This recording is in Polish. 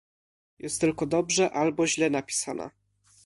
Jest tylko dobrze albo źle napisana.